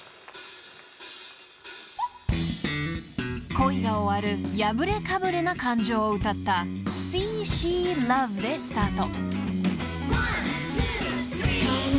［恋が終わる破れかぶれな感情を歌った『ＳｅｅＣＬｏｖｅ』でスタート］